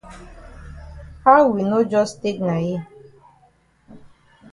How we no jus take na yi?